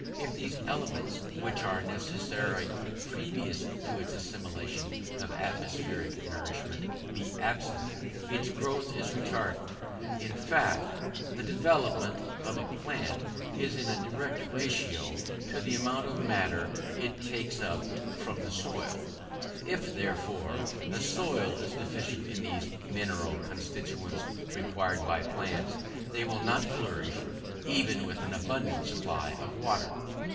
If these elements, which are necessary previous to its assimilation of atmospheric nourishment, be absent, its growth is retarded. In fact, the development of a plant is in a direct ratio to the amount of the matters it takes up from the soil. If, therefore, a soil is deficient in these mineral constituents required by plants, they will not flourish even with an abundant supply of water.